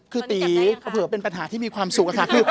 คือตีเผื่อเป็นปัญหาที่มีความสุขค่ะ